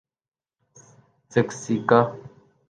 سکسیکا